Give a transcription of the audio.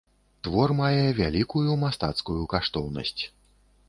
Твор мае вялікую мастацкую каштоўнасць.